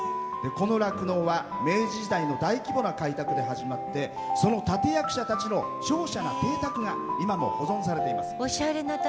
この酪農は、明治時代の大規模な開拓で始まってその立て役者たちのしょうしゃな邸宅が今も保存されています。